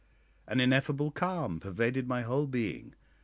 An ineffable calm pervaded my whole being.